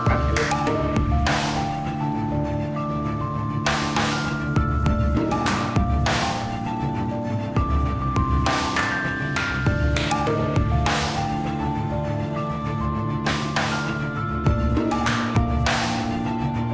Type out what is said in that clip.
kalau ada yang mengasihkan pemerintah